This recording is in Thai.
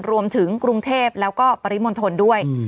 รวมถึงกรุงเทพแล้วก็ปริมณฑลด้วย